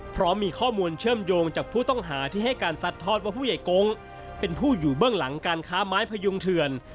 ผู้อยู่เบื้องหลังการค้าไม้พยุงเถื่อน